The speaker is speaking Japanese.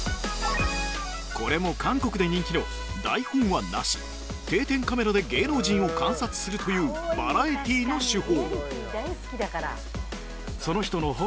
これも韓国で人気の台本はなし定点カメラで芸能人を観察するというバラエティの手法